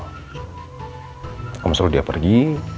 saya suruh dia pergi